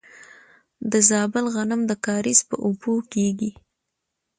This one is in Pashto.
د زابل غنم د کاریز په اوبو کیږي.